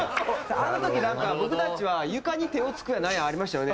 あの時なんか僕たちは床に手をつくやなんやありましたよね。